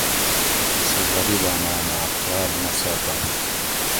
سہ غریبانان اٞ خیال نہ ساتنش